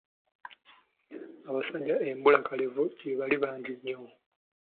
Abasajja embulakalevu gye bali bangi nnyo.